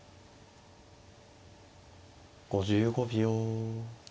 ５５秒。